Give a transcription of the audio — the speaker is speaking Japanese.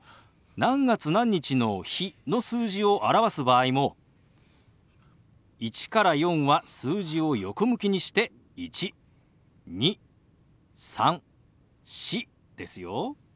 何月何日の「日」の数字を表す場合も１から４は数字を横向きにして「１」「２」「３」「４」ですよ。